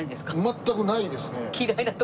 全くないですね。